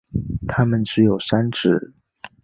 它们只有三趾。